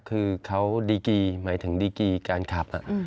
คือเขาดีกีหมายถึงดีกีการขับ